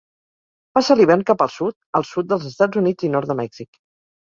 Passa l'hivern cap al sud, al sud dels Estats Units i nord de Mèxic.